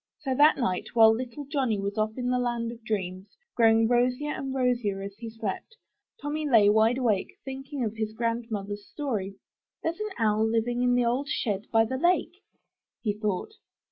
So that night, while little Johnny was off in the land of dreams, growing rosier and rosier as he slept. Tommy lay wide awake, thinking of his grand mother's story. 'There's an owl living in the old shed by the lake," he thought.